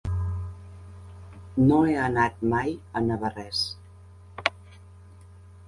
No he anat mai a Navarrés.